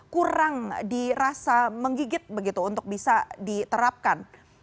kurang dirasa menggigit begitu untuk bisa diterapkan